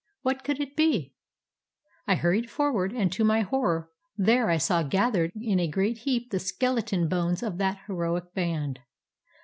What could it be? I hurried forward; and to my horror there I saw gathered together in a great heap the skeleton bones of that heroic band.